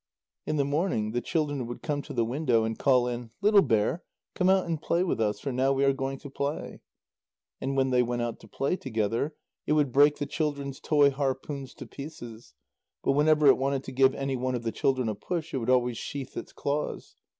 In the morning, the children would come to the window and call in: "Little bear, come out and play with us, for now we are going to play." And when they went out to play together, it would break the children's toy harpoons to pieces, but whenever it wanted to give any one of the children a push, it would always sheathe its claws.